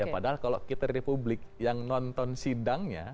padahal kalau kita di publik yang nonton sidangnya